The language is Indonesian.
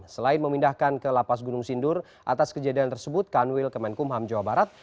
selain memindahkan ke lapas gunung sindur atas kejadian tersebut kanwil kemenkumham jawa barat